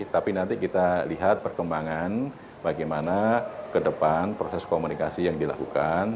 tapi nanti kita lihat perkembangan bagaimana ke depan proses komunikasi yang dilakukan